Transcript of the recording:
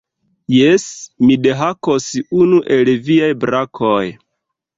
Jes, mi dehakos unu el viaj brakoj.